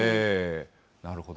なるほど。